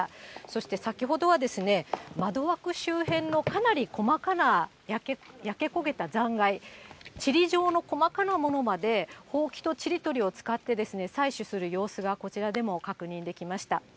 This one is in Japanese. そして先ほどは窓枠周辺のかなり細かな焼け焦げた残骸、ちり状の細かなものまでほうきとちりとりを使ってですね、採取する様子が、こちらでも確認できました。